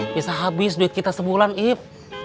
bisa habis duit kita sebulan ip